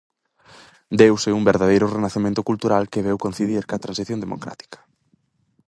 Deuse un verdadeiro renacemento cultural que veu coincidir coa transición democrática.